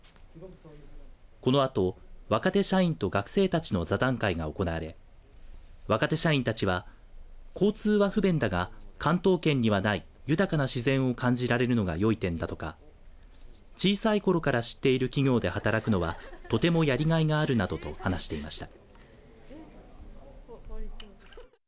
このあと、若手社員と学生たちの座談会が行われ若手社員たちは交通は不便だが関東圏にはない豊かな自然を感じられるのがよい点だとか小さいころから知っている企業で働くのはとてもやりがいがあるなどと話していました。